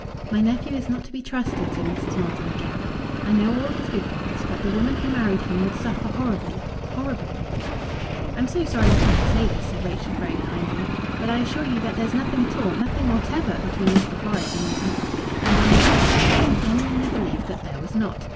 "My nephew is not to be trusted," said Mrs. Maldon again. "I know all his good points. But the woman who married him would suffer horribly horribly!" "I'm so sorry you've had to say this," said Rachel, very kindly. "But I assure you that there's nothing at all, nothing whatever, between Mr. Fores and me." And in that instant she genuinely believed that there was not.